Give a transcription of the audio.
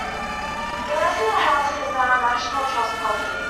The rest of the house is now a National Trust property.